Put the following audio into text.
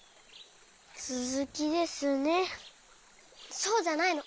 そうじゃないの。